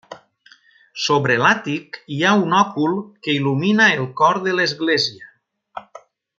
Sobre l'àtic hi ha un òcul que il·lumina el cor de l'església.